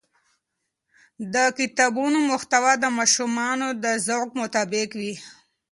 د کتابونو محتوا د ماشومانو د ذوق مطابق وي.